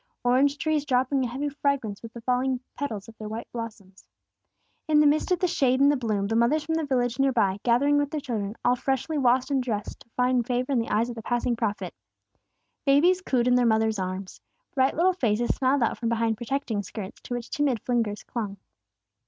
Orange trees dropping a heavy fragrance with the falling petals of their white blossoms. In the midst of the shade and the bloom the mothers from the village near by, gathering with their children, all freshly washed and dressed to find favor in the eyes of the passing Prophet. Babies cooed in their mother's arms. Bright little faces smiled out from behind protecting skirts, to which timid fingers clung.